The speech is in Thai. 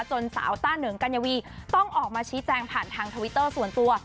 สาวต้าเหนิงกัญญวีต้องออกมาชี้แจงผ่านทางทวิตเตอร์ส่วนตัว